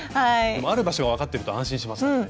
ある場所が分かってると安心しますよね。